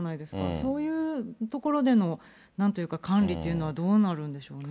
そういうところでの、なんというか、管理というのはどうなるんでしょうね。